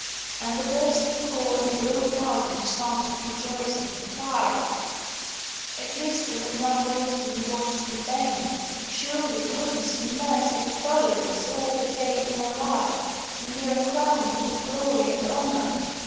And the bursting corn broke out into songs of rejoicing, and cried, "At least we have not waited and watched in vain! Surely goodness and mercy have followed us all the days of our life, and we are crowned with glory and honour.